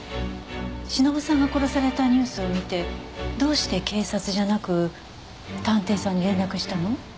忍さんが殺されたニュースを見てどうして警察じゃなく探偵さんに連絡したの？